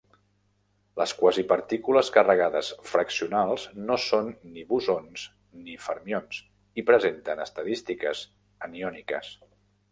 Les quasipartícules carregades fraccionals no són ni bosons ni fermions, i presenten estadístiques aniòniques.